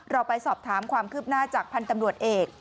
เราไปสอบถามความคืบหน้าจากพันธ์ตำรวจเอก